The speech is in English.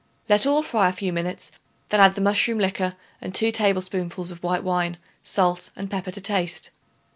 Let all fry a few minutes; then add the mushroom liquor and 2 tablespoonfuls of white wine, salt and pepper to taste.